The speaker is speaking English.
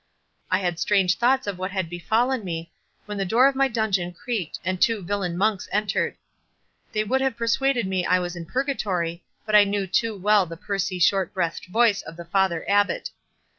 I had strange thoughts of what had befallen me, when the door of my dungeon creaked, and two villain monks entered. They would have persuaded me I was in purgatory, but I knew too well the pursy short breathed voice of the Father Abbot.